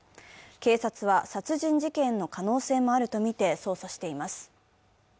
警察は殺人事件の可能性もあるとみて捜査しています。